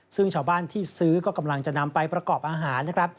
ซึ่งชาวบ้านที่ซื้อก็กำลังจะนำไปประกอบอาหารนะครับ